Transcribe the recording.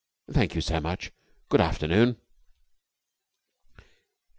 Thank you so much. Good afternoon."